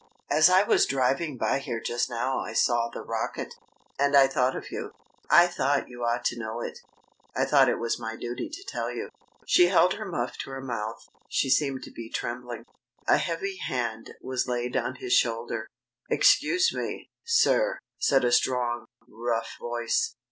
As I was driving by here just now I saw the rocket, and I thought of you. I thought you ought to know it. I thought it was my duty to tell you." She held her muff to her mouth. She seemed to be trembling. A heavy hand was laid on his shoulder. "Excuse me, sir," said a strong, rough voice.